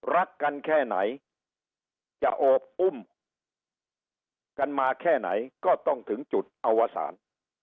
รักกันแค่ไหนจะโอบอุ้มกันมาแค่ไหนก็ต้องถึงจุดอวสาร